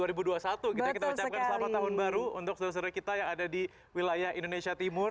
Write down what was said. kita ucapkan selamat tahun baru untuk saudara saudara kita yang ada di wilayah indonesia timur